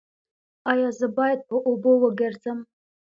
ایا زه باید په اوبو وګرځم؟